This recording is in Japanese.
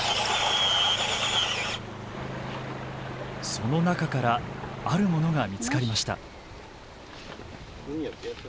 その中からあるものが見つかりました。